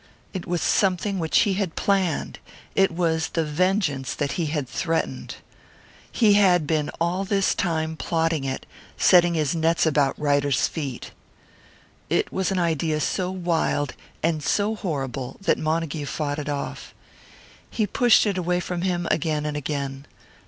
It was something which he had planned! It was the vengeance that he had threatened! He had been all this time plotting it, setting his nets about Ryder's feet! It was an idea so wild and so horrible that Montague fought it off. He pushed it away from him, again and again.